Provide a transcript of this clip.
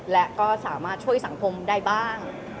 และก็สามารถช่วยสังคมได้บ้าง